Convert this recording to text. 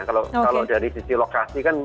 kalau dari sisi lokasi kan